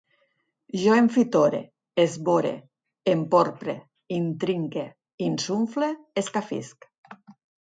Jo enfitore, esvore, emporpre, intrique, insufle, escafisc